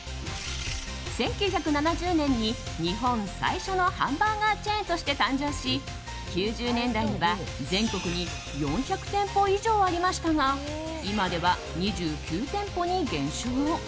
１９７０年に、日本最初のハンバーガーチェーンとして誕生し９０年代には全国に４００店舗以上ありましたが今では２９店舗に減少。